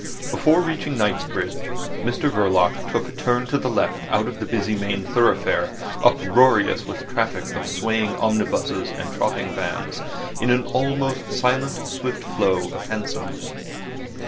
Before reaching Knightsbridge, Mr Verloc took a turn to the left out of the busy main thoroughfare, uproarious with the traffic of swaying omnibuses and trotting vans, in the almost silent, swift flow of hansoms.